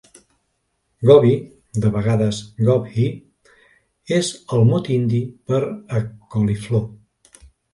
"Gobi", de vegades "gobhi", és el mot hindi per a "coliflor".